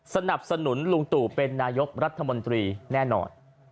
สนับสนุนลุงตู่เป็นนายกรัฐมนตรีแน่นอน